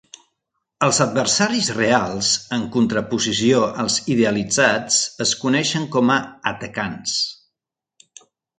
Els adversaris reals, en contraposició als idealitzats, es coneixen com a "atacants".